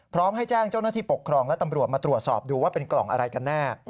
พร้อมให้แจ้งเจ้าหน้าที่ปกครองและตำรวจมาตรวจสอบดูว่าเป็นกล่องอะไรกันแน่